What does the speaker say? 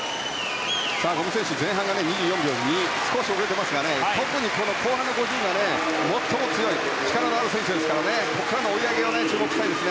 五味選手が前半が２４秒２少し遅れていますが特に後半の５０ｍには最も強い力のある選手ですから追い上げに注目したいです。